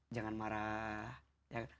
jangan marah ya kan